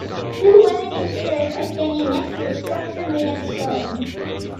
Two women in skirts are standing next to a structure made of stone.